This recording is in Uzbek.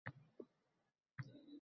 Ortidan kuzatib turdi u.